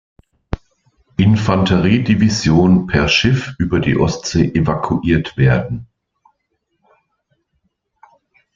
Infanterie-Division per Schiff über die Ostsee evakuiert werden.